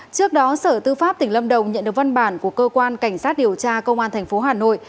trước đó sở tư pháp tỉnh lâm đồng nhận được văn bản của cơ quan cảnh sát điều tra công an tp hà nội